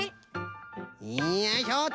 よいしょっと。